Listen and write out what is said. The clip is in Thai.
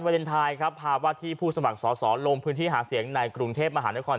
เลนไทยครับภาวะที่ผู้สมัครสอสอลงพื้นที่หาเสียงในกรุงเทพมหานคร